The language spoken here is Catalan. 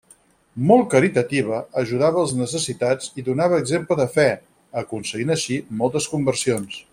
Molt caritativa, ajudava els necessitats i donava exemple de fe, aconseguint així moltes conversions.